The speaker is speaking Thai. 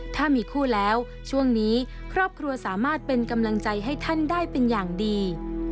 ถ้ามีคู่แล้วช่วงนี้ครอบครัวสามารถเป็นกำลังใจให้ท่านได้เป็นอย่างดี